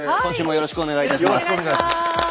よろしくお願いします。